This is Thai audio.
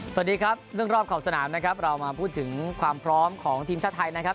สวัสดีครับเรื่องรอบขอบสนามนะครับเรามาพูดถึงความพร้อมของทีมชาติไทยนะครับ